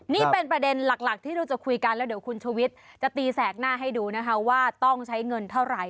นี่เป็นประเด็นหลักที่เราจะคุยกันแล้วเดี๋ยวคุณชุวิตจะตีแสกหน้าให้ดูนะคะว่าต้องใช้เงินเท่าไหร่